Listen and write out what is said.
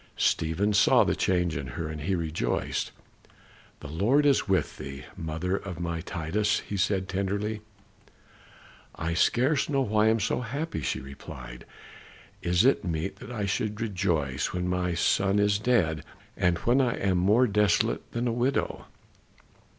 Stephen saw the change in her and he rejoiced. "The Lord is with thee, mother of my Titus," he said, tenderly. "I scarce know why I am so happy," she replied. "Is it meet that I should rejoice when my son is dead, and when I am more desolate than a widow?"